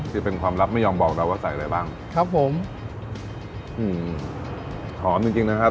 ที่เป็นความลับไม่ยอมบอกเราว่าใส่อะไรบ้างครับผมอืมหอมจริงจริงนะครับ